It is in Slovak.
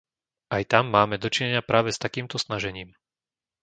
Aj tam máme dočinenia práve s takýmto snažením.